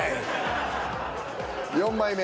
４枚目。